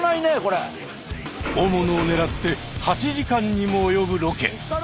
大物をねらって８時間にも及ぶロケ！